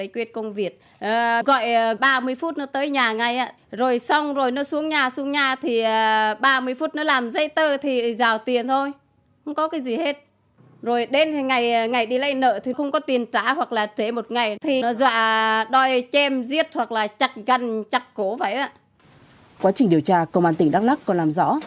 quá trình điều tra công an tỉnh đắk lắc còn làm rõ